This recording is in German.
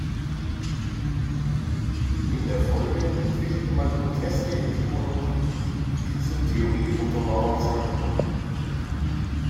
In der Folge entwickelte man groteske Etymologien, die diese Theorie untermauern sollten.